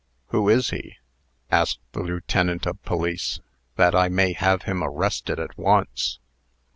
"Who is he?" asked the lieutenant of police, "that I may have him arrested at once."